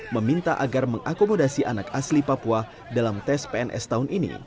meminta agar mengakomodasi anak asli papua dalam tes pns tahun ini